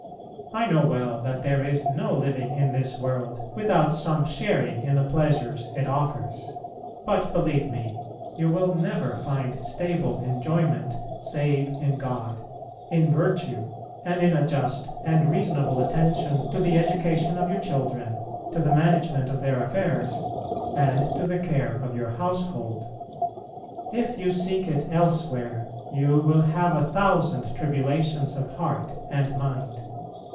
I know well that there is no living in this world without some sharing in the pleasures it offers, but, believe me, you will never find stable enjoyment save in God, in virtue, and in a just and reasonable attention to the education of your children, to the management of their affairs, and to the care of your household. If you seek it elsewhere you will have a thousand tribulations of heart and mind.